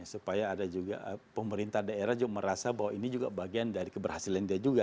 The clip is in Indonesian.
supaya ada juga pemerintah daerah juga merasa bahwa ini juga bagian dari keberhasilan dia juga